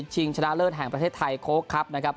ชนะเลิศแห่งประเทศไทยโค้กครับนะครับ